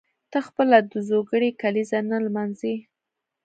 ته خپله د زوکړې کلیزه نه لمانځي.